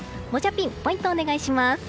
ピンポイントをお願いします。